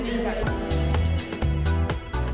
jadi kita bisa berkarya di online